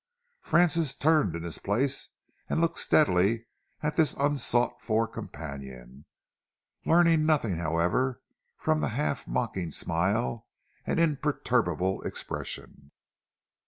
Francis turned in his place and looked steadily at this unsought for companion, learning nothing, however, from the half mocking smile and imperturbable expression.